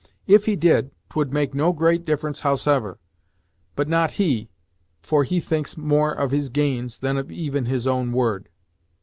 If he did, 'twould make no great difference howsever; but not he, for he thinks more of his gains than of even his own word.